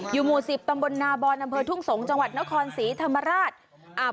หมู่๑๐ตำบลนาบอนอำเภอทุ่งสงศ์จังหวัดนครศรีธรรมราช